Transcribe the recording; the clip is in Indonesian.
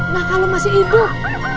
nah kalo masih hidup